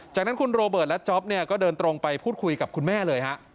จากนั้นคุณโรเบิร์ตและจ๊อปเนี่ยก็เดินตรงไปพูดคุยกับคุณแม่เลยฮะ